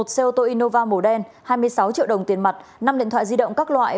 một xe ô tô innova màu đen hai mươi sáu triệu đồng tiền mặt năm điện thoại di động các loại